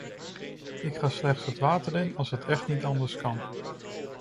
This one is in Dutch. Ik ga slechts het water in als het echt niet anders kan.